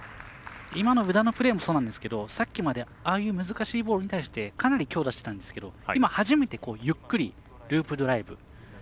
今の宇田のプレーもそうなんですがさっきまでああいう難しいボールに対してかなり強打してたんですけど今、初めてゆっくりループドライブ。